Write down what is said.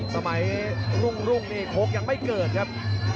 สมัยรุ่งนี่โค้กยังไม่เกิดครับ